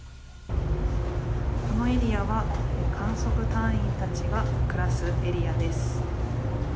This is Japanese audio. このエリアは観測隊員たちが暮らすエリアです。